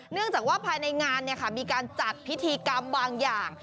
เนื่องจากว่าภายในงานมีการจัดพิธีกรรมบางอย่าง